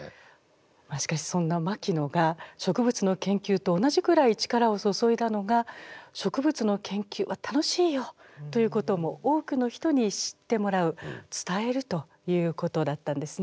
しかしそんな牧野が植物の研究と同じぐらい力を注いだのが植物の研究は楽しいよということを多くの人に知ってもらう伝えるということだったんですね。